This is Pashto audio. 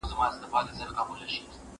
زه هره ورځ مړۍ خورم!.